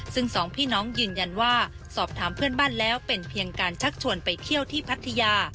ซึ่งสองพี่น้องยืนยันว่าสอบถามเพื่อนบ้านแล้วเป็นเพียงการชักชวนไปเที่ยวที่พัทยา